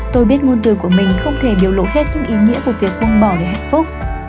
tôi biết ngôn từ của mình không thể biểu lộ hết những ý nghĩa của việc buông bỏ để hạnh phúc